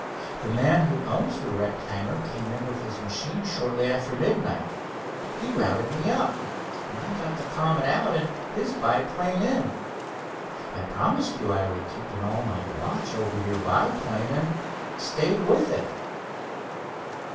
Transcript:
The man who owns the wrecked hangar came in with his machine shortly after midnight. He routed me up, and I got the Comet out and his biplane in. I promised you I would keep an all night watch over your biplane, and stayed with it."